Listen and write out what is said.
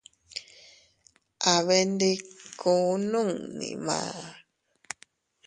Abendikuu nunni maá.